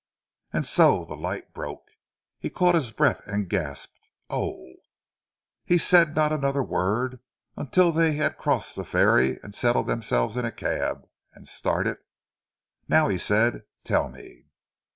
And so the light broke. He caught his breath and gasped, "Oh!" He said not another word until they had crossed the ferry and settled themselves in a cab, and started. "Now," he said, "tell me."